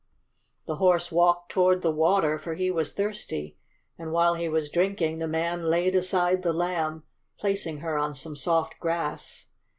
The horse walked toward the water, for he was thirsty. And while he was drinking the man laid aside the Lamb, placing her on some soft grass.